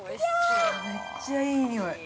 ◆めっちゃいい匂い。